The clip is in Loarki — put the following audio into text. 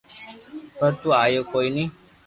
پر تو آيو ڪوئي ني